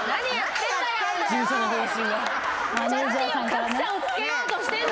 格差をつけようとしてんだよ？